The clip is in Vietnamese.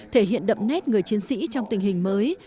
thể hiện đậm nét người chiến sĩ trong tình hình mới